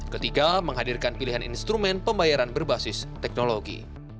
ketiga menghadirkan pilihan instrumen pembayaran berbasis teknologi